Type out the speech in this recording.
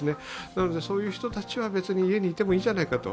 なので、そういう人たちは家にいてもいいんじゃないかと。